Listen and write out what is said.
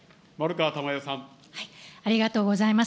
ありがとうございます。